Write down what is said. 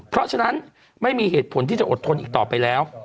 เพราะฉะนั้นไม่มีเหตุผลที่จะอดทนอีกต่อไปแล้ว